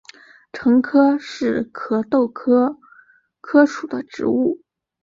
谊柯是壳斗科柯属的植物。